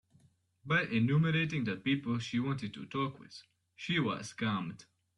By enumerating the people she wanted to talk with, she was calmed.